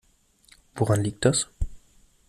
Woran liegt das?